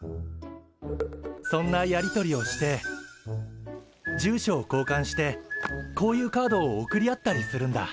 そんなやり取りをして住所をこうかんしてこういうカードを送り合ったりするんだ。